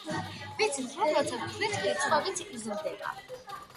ვიცით, რომ როცა ვითვლით, რიცხვები იზრდება.